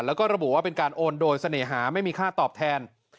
แล้วก็ระบุว่าเป็นการโอนโดยเสน่หาไม่มีค่าตอบแทน